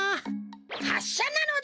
はっしゃなのだ！